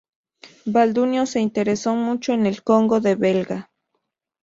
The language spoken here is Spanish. Balduino se interesó mucho en el Congo Belga.